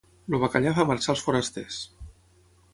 El bacallà fa marxar els forasters.